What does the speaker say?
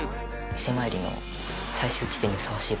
伊勢参りの最終地点にふさわしい場所。